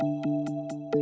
ya bagus kagum gitu ya